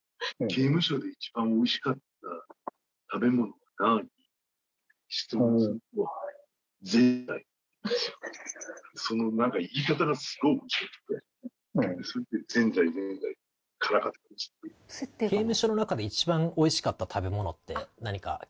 ・刑務所の中で一番おいしかった食べ物って何か記憶にありますか。